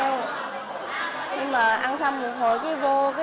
nhưng mà ăn xong một hồi vô